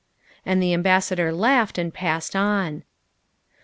'' And the Ambassador laughed and passed on.